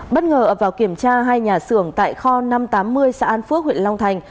bất ngờ ập vào kiểm tra hai nhà xưởng tại kho năm trăm tám mươi xã an phước huyện long thành